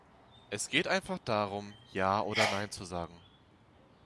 Es geht einfach darum, ja oder nein zu sagen.